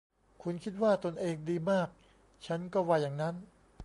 คุณคิดว่าตนเองดีมาก ฉันก็ว่าอย่างนั้น